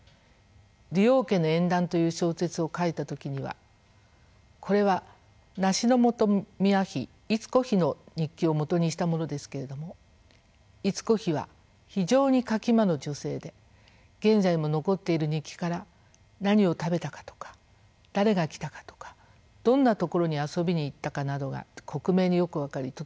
「李王家の縁談」という小説を書いた時にはこれは梨本宮妃伊都子妃の日記を基にしたものですけれども伊都子妃は非常に書き魔の女性で現在も残っている日記から何を食べたかとか誰が来たかとかどんな所に遊びに行ったかなどが克明によく分かりとても面白かったです。